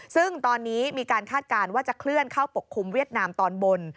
ซึ่งตอนนี้มีการคาดการณ์ว่าจะเคลื่อนเข้าปกคลุมเวียดนามตอนบน